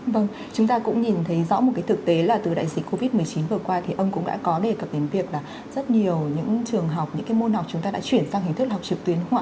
vâng chúng ta cũng nhìn thấy rõ một cái thực tế là từ đại dịch covid một mươi chín vừa qua thì ông cũng đã có đề cập đến việc là rất nhiều những trường học những cái môn học chúng ta đã chuyển sang hình thức học trực tuyến không ạ